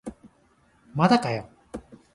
まだかよ